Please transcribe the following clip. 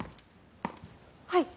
はい。